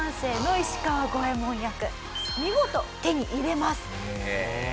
見事手に入れます。